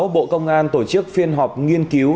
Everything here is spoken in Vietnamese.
bộ công an tổ chức phiên họp nghiên cứu